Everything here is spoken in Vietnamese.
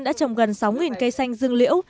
đã trồng gần sáu cây xanh dương liễu